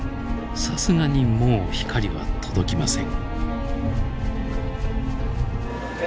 さすがにもう光は届きません。